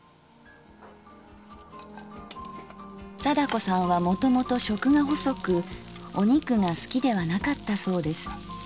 貞子さんはもともと食が細くお肉が好きではなかったそうです。